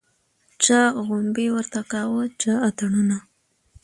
چا غړومبی ورته کاوه چا اتڼونه